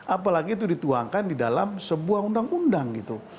apalagi itu dituangkan di dalam sebuah undang undang gitu